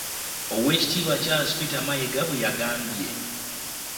Owek. Charles Peter Mayiga bwe yagambye.